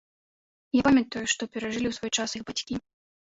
Я памятаю, што перажылі ў свой час іх бацькі.